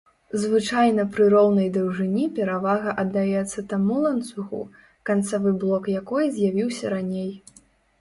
Звычайна пры роўнай даўжыні перавага аддаецца таму ланцугу, канцавы блок якой з'явіўся раней.